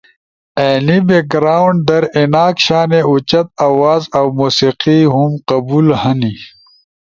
اینی بیک گراونڈ در ایناک شانے اوچت آواز اؤ موسیقی ہم قبول ہنی